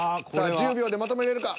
１０秒でまとめれるか。